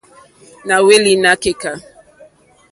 Na hweli na keka.